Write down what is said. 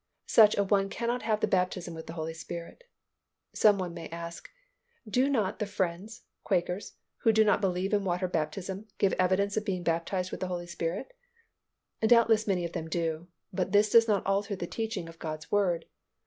Such an one cannot have the baptism with the Holy Spirit. Some one may ask, "Do not the Friends ('Quakers'), who do not believe in water baptism, give evidence of being baptized with the Holy Spirit?" Doubtless many of them do, but this does not alter the teaching of God's Word.